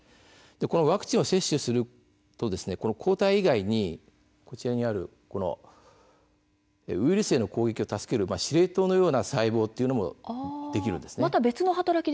ワクチンを接種するとこの抗体以外にウイルスへの攻撃を助ける司令塔のような細胞というのもできるんです。